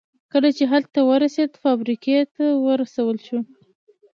کله چې هلته ورسېد فابریکې ته ورسول شو